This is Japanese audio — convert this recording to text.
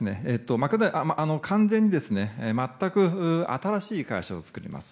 完全に全く新しい会社を作ります。